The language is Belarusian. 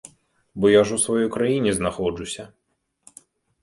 Бо я ж у сваёй краіне знаходжуся!